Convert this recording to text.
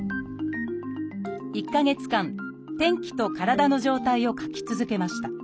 １か月間天気と体の状態を書き続けました。